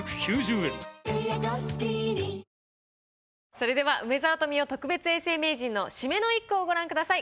それでは梅沢富美男特別永世名人の締めの一句をご覧ください。